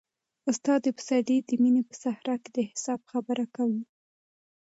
استاد پسرلی د مینې په صحرا کې د حساب خبره کوي.